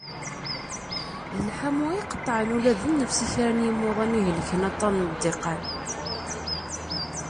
D lḥamu i iqeṭṭεen ula d nnefs i kra n yimdanen i ihellken aṭṭan n ddiqan.